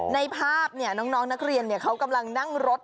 ในภาพน้องนักเรียนเขากำลังนั่งรถ